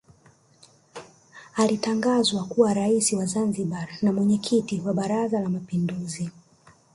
Alitangazwa kuwa Rais wa Zanzibar na Mwenyekiti wa Baraza la Mapinduzi